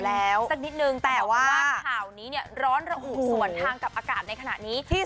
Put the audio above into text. แล้วสักนิดนึงแต่ว่าข่าวนี้เนี่ยร้อนระอุส่วนทางกับอากาศในขณะนี้